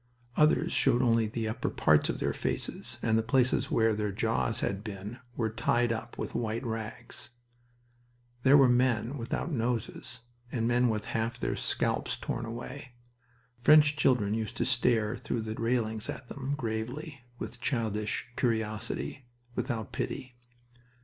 Others showed only the upper parts of their faces, and the places where their jaws had been were tied up with white rags. There were men without noses, and men with half their scalps torn away. French children used to stare through the railings at them, gravely, with childish curiosity, without pity.